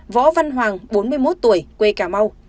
võ văn hoàng bốn mươi một tuổi quê cà mau